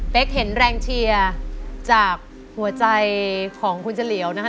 แปลงเชียร์จากหัวใจของคุณเจรียวนะครับ